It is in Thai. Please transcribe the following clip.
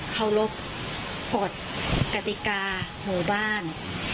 เคารพกฎกติกาหมู่บ้าน